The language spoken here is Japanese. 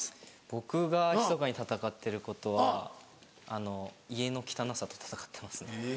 僕がひそかに戦ってることは家の汚さと戦ってますね。